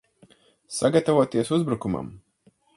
Sagatavoties uzbrukumam!